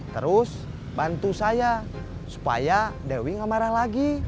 terus bantu saya supaya dewi gak marah lagi